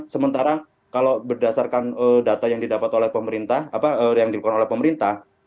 sementara kalau berdasarkan data yang dilakukan oleh pemerintah